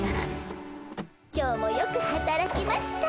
今日もよくはたらきました。